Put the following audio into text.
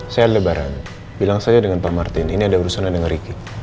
saya aldebaran bilang saja dengan pak martin ini ada urusan yang mengeriki